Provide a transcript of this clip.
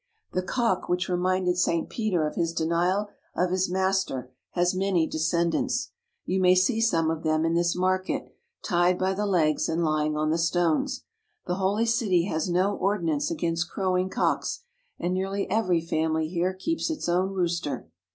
The cock which reminded St. Peter of his denial of his Master has many descendants. You may see some of them in this market, tied by the legs and lying on the stones. The Holy City has no ordinance against crowing cocks, and nearly every family here keeps its own rooster.